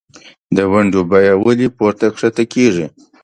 دونډیو بیه ولۍ پورته کښته کیږي؟